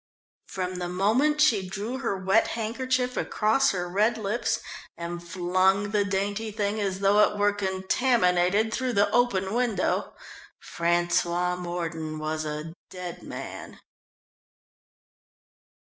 From the moment she drew her wet handkerchief across her red lips and flung the dainty thing as though it were contaminated through the open window, François Mordon was a dead man.